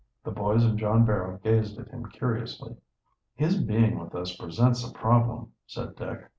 The boys and John Barrow gazed at him curiously. "His being with us presents a problem," said Dick.